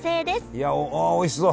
いやおいしそう！